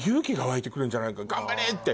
頑張れって！